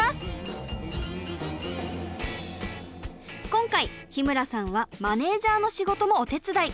今回日村さんはマネージャーの仕事もお手伝い。